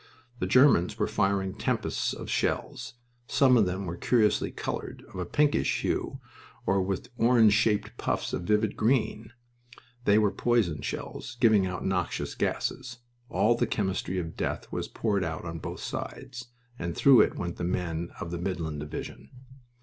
The Germans were firing tempests of shells. Some of them were curiously colored, of a pinkish hue, or with orange shaped puffs of vivid green. They were poison shells giving out noxious gases. All the chemistry of death was poured out on both sides and through it went the men of the Midland Division.